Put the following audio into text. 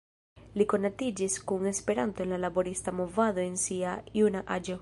Li konatiĝis kun Esperanto en la laborista movado en sia juna aĝo.